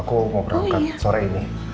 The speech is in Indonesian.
aku mau berangkat sore ini